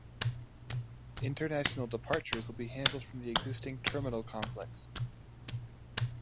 International departures will be handled from the existing terminal complex.